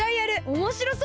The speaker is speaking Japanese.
おもしろそう！